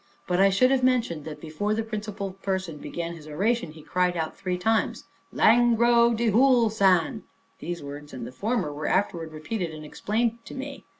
But I should have mentioned, that before the principal person began his oration, he cried out three times, Langro dehul san (these words and the former were afterwards repeated and explained to me).